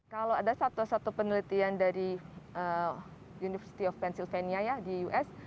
kalau ada satu satu penelitian dari university of pencelvenia ya di us